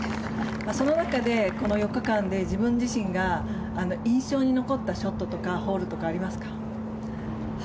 その中でこの４日間で自分自身が印象に残ったショットとかホールとかありますか？